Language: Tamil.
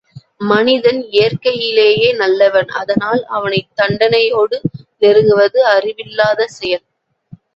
மனிதன் இயற்கையிலேயே நல்லவன் அதனால் அவனைத் தண்டனையோடு நெருங்குவது அறிவில்லாத செயல்.